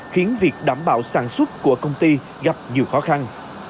khiến việc đảm bảo sản xuất của công ty gặp nhiều khó khăn